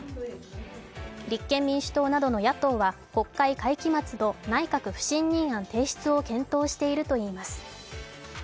立憲民主党などの野党は国会会期末と内閣不信任案提出を検討しているといいます。